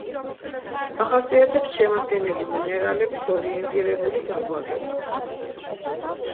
ახასიათებს შემადგენელი მინერალების ორიენტირებული განლაგება.